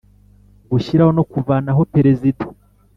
Gushyiraho no kuvanaho Perezida